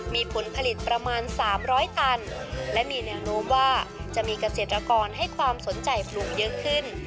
มีผลผลิตประมาณ๓๐๐ตันและมีแนวโน้มว่าจะมีเกษตรกรให้ความสนใจปลูกเยอะขึ้น